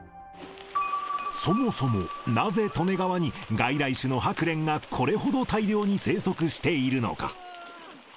そもそも、なぜ利根川に外来種のハクレンが、これほど大量に生息しているのか。